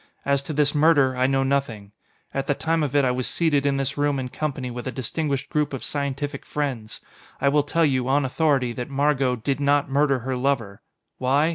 As to this murder, I know nothing. At the time of it, I was seated in this room in company with a distinguished group of scientific friends. I will tell you, on authority, that Margot did not murder her lover. Why?